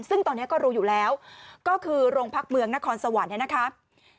ซึ่งตอนนี้ก็รู้อยู่แล้วก็คือโรงพักเมืองนครสวรรค์เนี่ยนะครับ